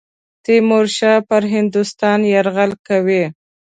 تیمورشاه پر هندوستان یرغل کوي.